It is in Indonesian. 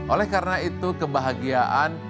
oleh karena itu kebahagiaan